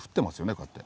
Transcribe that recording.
こうやって。